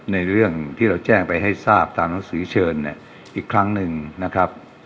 ในเรื่องที่เราแจ้งไปให้ทราบตามหนังสือเชิญเนี่ยอีกครั้งหนึ่งนะครับ